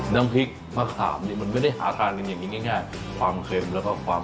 น้ำพริกมะขามเนี่ยมันไม่ได้หาทานกันอย่างนี้ง่ายความเค็มแล้วก็ความ